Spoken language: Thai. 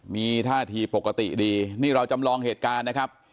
มีท่าทีปกติดีนี่เราจำลองเหตุการณ์นะครับ